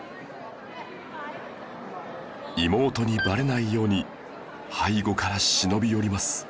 妹にバレないように背後から忍び寄ります